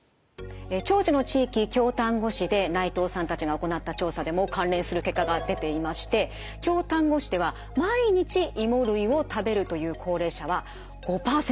長寿の地域京丹後市で内藤さんたちが行った調査でも関連する結果が出ていまして京丹後市では毎日いも類を食べるという高齢者は５％。